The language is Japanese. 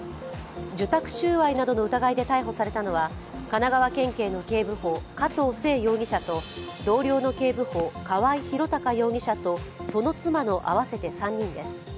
受託収賄などの疑いで逮捕されたのは神奈川県警の警部補、加藤聖容疑者と同僚の警部補、河合博貴容疑者とその妻の合わせて３人です。